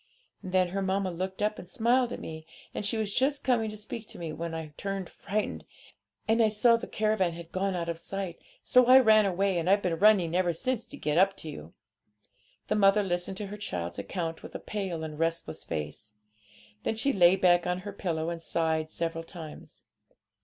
And then her mamma looked up and smiled at me; and she was just coming to speak to me when I turned frightened, and I saw the caravan had gone out of sight; so I ran away, and I've been running ever since to get up to you.' The mother listened to her child's account with a pale and restless face. Then she lay back on her pillow and sighed several times.